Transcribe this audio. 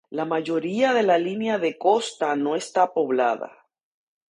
La mayoría de la línea de costa no está poblada.